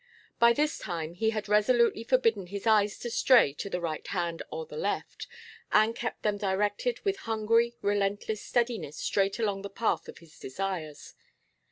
By this time he had resolutely forbidden his eyes to stray to the right hand or the left, and kept them directed with hungry, relentless steadiness straight along the path of his desires.